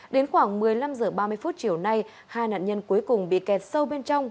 đến khoảng một mươi năm h ba mươi phút chiều nay hai nạn nhân cuối cùng bị kẹt sâu bên trong